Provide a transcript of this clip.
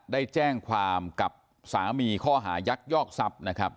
ได้แจ้งความกับสามีข้อหายักยอกทรัพย์นะครับ